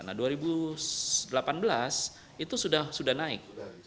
nah dua ribu delapan belas itu sudah naik